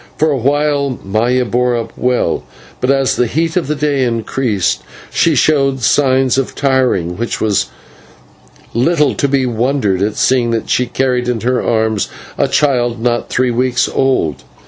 For a while Maya bore up well, but as the heat of the day increased she showed signs of tiring, which was little to be wondered at, seeing that she carried in her arms a child not three weeks old.